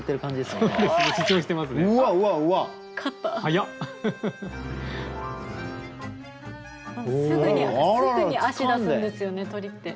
すぐに足出すんですよね鳥って。